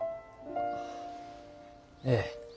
ええ。